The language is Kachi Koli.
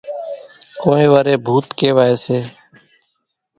ڪونئين وريَ ڀوُت ڪيوائيَ سي۔